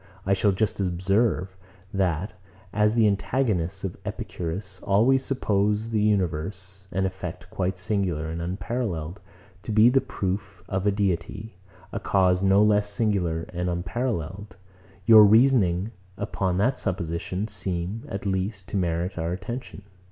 I shall just observe, that, as the antagonists of Epicurus always suppose the universe, an effect quite singular and unparalleled, to be the proof of a Deity, a cause no less singular and unparalleled; your reasonings, upon that supposition, seem, at least, to merit our attention.